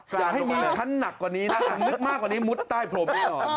อยากให้มีชั้นนักกว่านี้สำนึกมากกว่านี้มุดใต้ผม